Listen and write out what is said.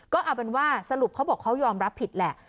ก็เอาเป็นว่าสรุปเขาบอกเขายอมรับผิดแหละ